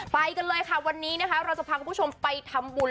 ไปกันเลยค่ะวันนี้นะคะเราจะพาคุณผู้ชมไปทำบุญ